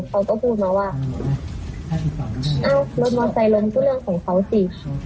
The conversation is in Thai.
เขาก็พูดมาว่าอ้าวรถมอไซคลนก็เรื่องของเขาสิ